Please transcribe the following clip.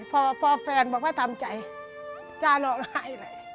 พ่อแฟนบอกว่าทำใจตล่อไปเลย